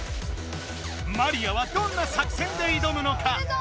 マリアはどんな作戦でいどむのか？